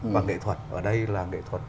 và nghệ thuật ở đây là nghệ thuật